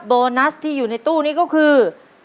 โบนัสที่อยู่ในตู้นี้ก็คือ